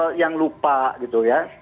kadang kadang lupa gitu ya